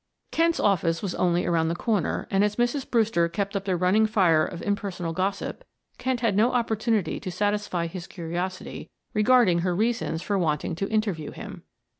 Kent's office was only around the corner, and as Mrs. Brewster kept up a running fire of impersonal gossip, Kent had no opportunity to satisfy his curiosity regarding her reasons for wanting to interview him.